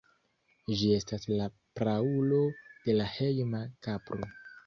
Ĝi estas la praulo de la hejma kapro.